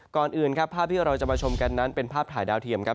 ก่อนอื่นครับภาพที่เราจะมาชมกันนั้นเป็นภาพถ่ายดาวเทียมครับ